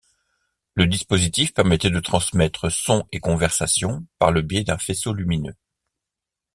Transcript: Le dispositif permettait de transmettre sons et conversations par le biais d'un faisceau lumineux.